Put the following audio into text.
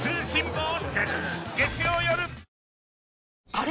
あれ？